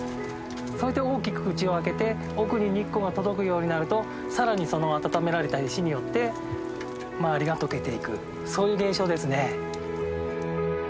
そして大きく口を開けて奥に日光が届くようになると更にその温められた石によって周りが解けていくそういう現象ですね。